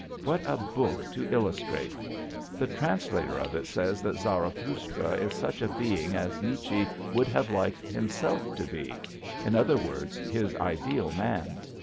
What a book to illustrate! The translator of it says that Zarathustra is such a being as Nietzsche would have liked himself to be, in other words his ideal man.